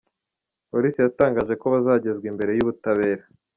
Polisi yatangaje ko bazagezwa imbere y’ubutabera.